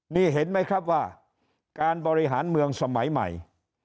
นี่เห็นไหมครับว่าการบริหารเมืองสมัยใหม่